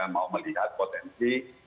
mau melihat potensi